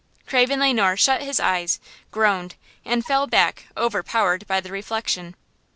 Craven Le Noir shut his eyes, groaned and fell back overpowered by the reflection.